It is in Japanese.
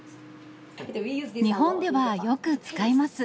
日本ではよく使います。